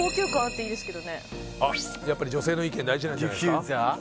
この辺とかやっぱり女性の意見大事なんじゃないですか？